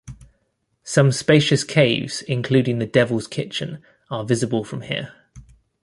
Some spacious caves including the "Devil's Kitchen" are visible from here.